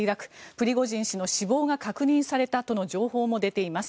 プリゴジン氏の死亡が確認されたとの情報も出ています。